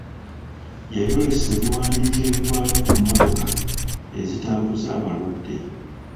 Yayolesa ebiwandiiko ebikwata ku mmotoka ezitambuza abalwadde.